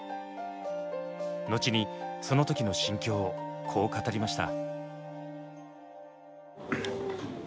後にその時の心境をこう語りました。